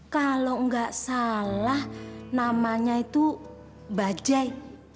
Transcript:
kalau nggak salah namanya itu bajai